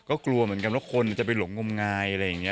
ก็กลัวเหมือนกันว่าคนจะไปหลงงมงายอะไรอย่างนี้